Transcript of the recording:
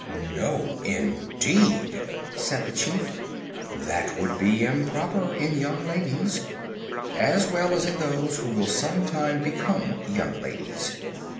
"No, indeed," said the Chief. "That would be improper in young ladies, as well as in those who will sometime become young ladies.